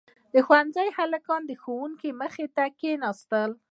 • د ښونځي هلکان د ښوونکي مخې ته کښېناستل.